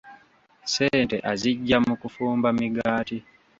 Ssente aziggya mu kufumba migaati.